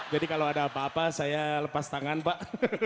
jadi kalau ada apa apa saya lepas tangan pak